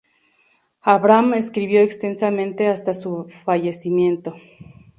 Abraham escribió extensamente hasta su fallecimiento.